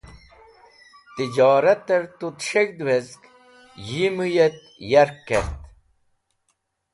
Tijorater tu’t s̃heg̃h wezg, yi mũyet yark kert.